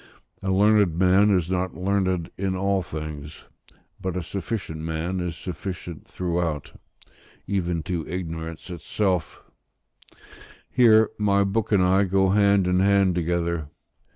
A learned man is not learned in all things: but a sufficient man is sufficient throughout, even to ignorance itself; here my book and I go hand in hand together.